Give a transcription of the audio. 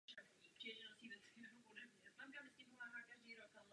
Ostění oken bylo doplněno znakem a latinským nápisem.